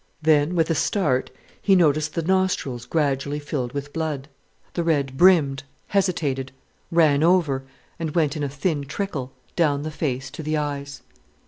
Then, with a start, he noticed the nostrils gradually filled with blood. The red brimmed, hesitated, ran over, and went in a thin trickle down the face to the eyes.